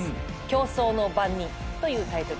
『競争の番人』というタイトルです。